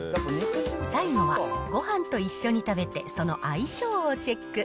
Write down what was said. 最後は、ごはんと一緒に食べてその相性をチェック。